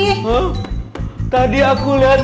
eh tadi aku lihat